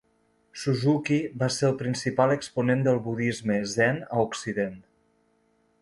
Suzuki va ser el principal exponent del budisme zen a Occident.